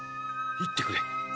言ってくれ。